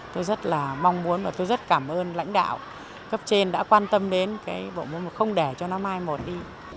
tôi rất là mong muốn và tôi rất cảm ơn lãnh đạo cấp trên đã quan tâm đến cái bộ môn mà không để cho nó mai một đi